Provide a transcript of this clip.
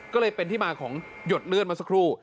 ก็เลยเป็นที่มาของหยดเลื่อนมาสักครู่